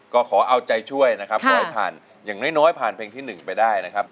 ก็ขอเอาใจช่วยนะครับขอให้ผ่านอย่างน้อยผ่านเพลงที่๑ไปได้นะครับ